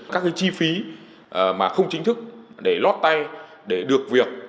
các cái chi phí mà không chính thức để lót tay để được việc